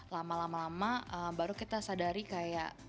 lama lama baru kita sadari kayak